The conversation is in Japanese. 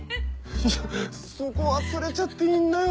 いやそこ忘れちゃっていいんだよ。